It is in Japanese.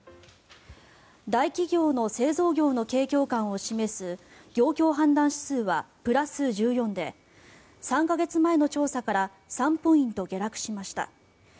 大企業の製造業の景況感を示す業況判断指数はプラス１４で３か月前の調査から３ポイント下落しました。